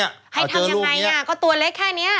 ให้ทำยังไงก็ตัวเล็กแค่นี้